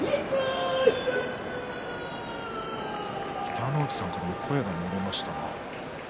北の富士さんからも声が漏れましたが。